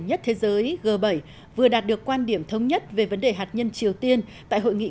nhất thế giới g bảy vừa đạt được quan điểm thống nhất về vấn đề hạt nhân triều tiên tại hội nghị